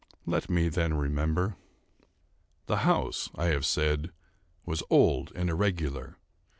Let me then remember. The house, I have said, was old and irregular.